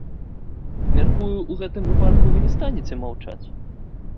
Мяркую, у гэтым выпадку вы не станеце маўчаць?